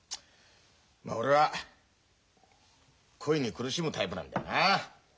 俺は恋に苦しむタイプなんだよなあ。